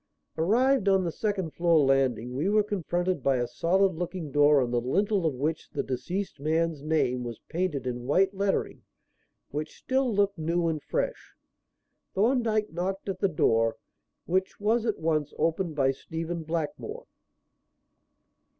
Arrived on the second floor landing, we were confronted by a solid looking door on the lintel of which the deceased man's name was painted in white lettering which still looked new and fresh. Thorndyke knocked at the door, which was at once opened by Stephen Blackmore.